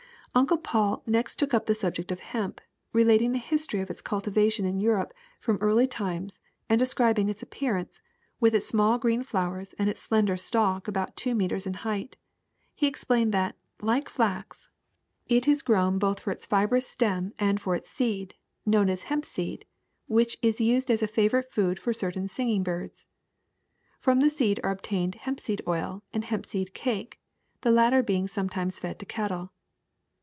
Uncle Paul next took up the subject of hemp, re lating the history of its cultivation in Europe from early times and describing its appearance, with its small green flowers and its slender stalk about two meters in height. He explained that, like flax, it is FLAX AND HEMP 33 grown both for its fibrous stem and for its seed, known as hempseed, which is used as a favorite food for certain singing birds. From the seed are obtained hempseed oil and hempseed cake, the latter being sometimes fed to cattle.